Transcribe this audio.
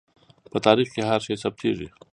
په تاریخ کې هر شی ثبتېږي.